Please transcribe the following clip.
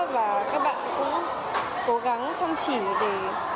và các bạn cũng cố gắng chăm chỉ để